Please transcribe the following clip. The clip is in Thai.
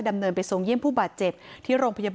ท่านผู้ชมครับ